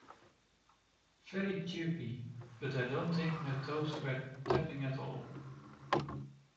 Very chirpy, but I don't think my toes were tapping at all.